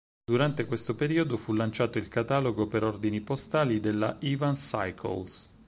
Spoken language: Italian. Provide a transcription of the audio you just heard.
Durante questo periodo fu lanciato il catalogo per ordini postali della Evans Cycles.